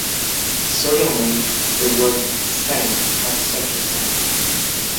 Certainly, the word, "same", has such a sense.